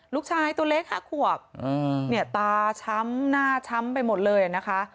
ลูกชายตัวเล็ก๕ขวบเนี่ยตาช้ำหน้าช้ำไปหมดเลยนะคะ